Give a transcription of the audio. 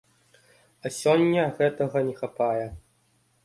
А сёння гэтага не хапае.